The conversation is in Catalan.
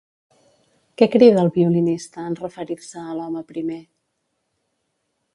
Què crida el violinista en referir-se a l'home primer?